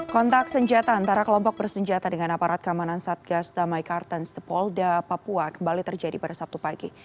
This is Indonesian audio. kontak senjata antara kelompok bersenjata dengan aparat keamanan satgas damai kartens tepolda papua kembali terjadi pada sabtu pagi